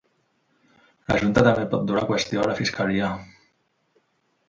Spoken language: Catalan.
La junta també pot dur la qüestió a la fiscalia.